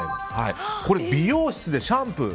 美容室でシャンプー。